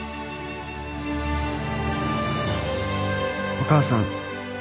「お母さん」